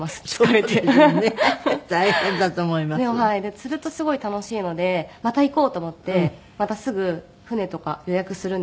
でも釣るとすごい楽しいのでまた行こうと思ってまたすぐ船とか予約するんですよ。